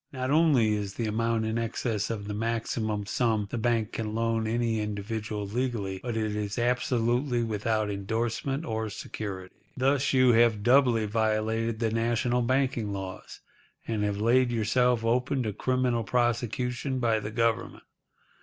Not only is the amount in excess of the maximum sum the bank can loan any individual legally, but it is absolutely without endorsement or security. Thus you have doubly violated the national banking laws, and have laid yourself open to criminal prosecution by the Government.